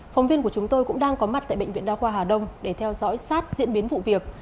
phóng viên của chúng tôi cũng đang có mặt tại bệnh viện đa khoa hà đông để theo dõi sát diễn biến vụ việc